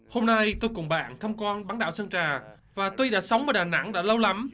hôm nay tôi cùng bạn thăm quan bán đảo sơn trà và tuy đã sống ở đà nẵng đã lâu lắm